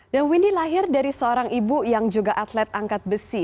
dan windy lahir dari seorang ibu yang juga atlet angkat besi